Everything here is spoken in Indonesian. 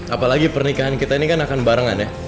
apalagi pernikahan kita ini kan akan barengan ya